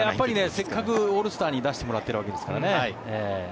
せっかくオールスターに出してもらってるわけですから。